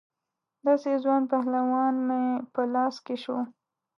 داسې ځوان پهلوان مې په لاس کې شو.